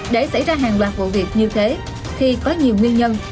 để xảy ra hàng loạt vụ việc như thế thì có nhiều nguyên nhân